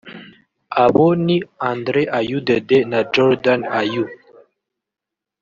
Abo ni Andre Ayew Dede na Jordan Ayew